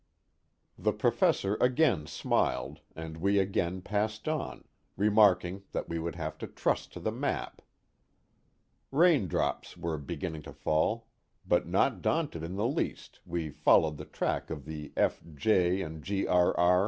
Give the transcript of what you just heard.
The Professor again smiled and we again passed on, re marking that we would have to trust to the map. Rain drops were beginning to fall, but not daunted in the least we fol lowed the track of the F. J. & G. R. R.